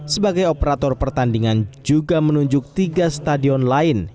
sebagai operator pertandingan juga menunjuk tiga stadion lain